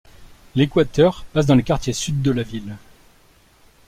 L'équateur passe dans les quartiers sud de la ville.